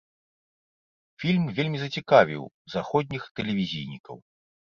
Фільм вельмі зацікавіў заходніх тэлевізійнікаў.